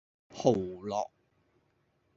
蚝烙